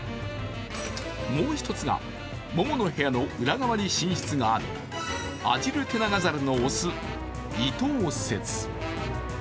もう１つが、モモの部屋の裏側に寝室があるアジルテナガザルの雄、イトウ説。